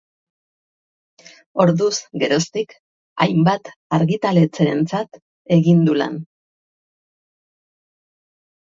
Orduz geroztik, hainbat argitaletxerentzat egin du lan.